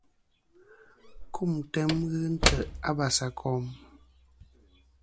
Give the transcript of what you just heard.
Kumtem ghɨ ntè' a basakom.